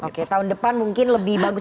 oke tahun depan mungkin lebih bagus